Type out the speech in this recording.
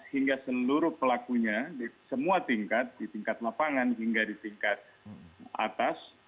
hingga seluruh pelakunya di semua tingkat di tingkat lapangan hingga di tingkat atas